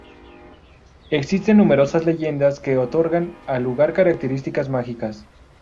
Existen numerosas leyendas que otorgan al lugar características mágicas.